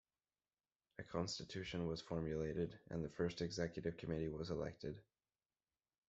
A constitution was formulated and the first executive committee was elected.